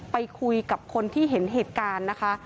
ไปคุยกับคนที่เห็นเหตุการณ์นะคะ